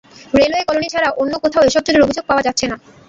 Railway colony ছাড়া অন্য কোথাও এসব চুরির অভিযোগ পাওয়া যাচ্ছে না।